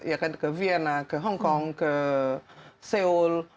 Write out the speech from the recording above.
ya kan ke vietna ke hongkong ke seoul